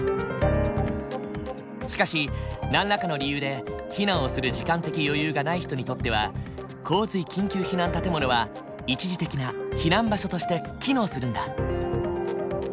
しかし何らかの理由で避難をする時間的余裕がない人にとっては洪水緊急避難建物は一時的な避難場所として機能するんだ。